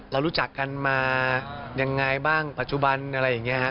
เรารู้จักกันมายังไงบ้างปัจจุบันอะไรอย่างนี้ครับ